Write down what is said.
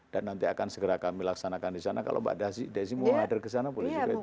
dan nanti akan segera kami laksanakan di sana kalau mbak desi mau hadir kesana boleh juga itu